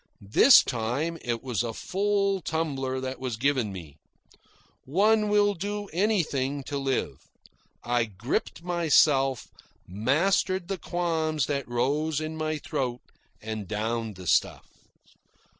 This time it was a full tumbler that was given me. One will do anything to live. I gripped myself, mastered the qualms that rose in my throat, and downed the stuff.